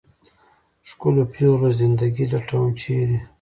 ښکلو پېغلو زنده ګي لټوم ، چېرې ؟